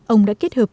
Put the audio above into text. ông đã kết hợp